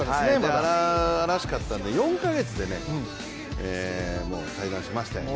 荒々しかったので４か月で退団しましたよね。